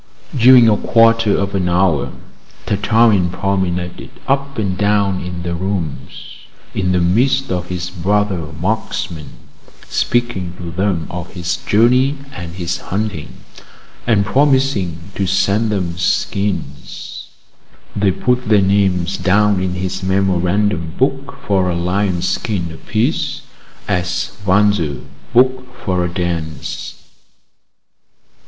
During a quarter of an hour, Tartarin promenaded up and down in the rooms in the midst of his brother marksmen, speaking to them of his journey and his hunting, and promising to send them skins; they put their names down in his memorandum book for a lionskin apiece, as waltzers book for a dance.